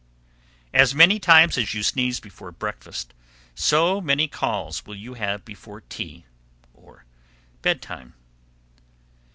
_ 788. As many times as you sneeze before breakfast, so many calls will you have before tea (or bed time).